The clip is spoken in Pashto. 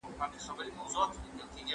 ساعت ټک ټک پیل کړ.